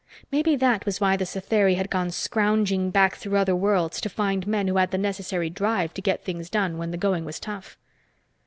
Maybe that was why the Satheri had gone scrounging back through other worlds to find men who had the necessary drive to get things done when the going was tough.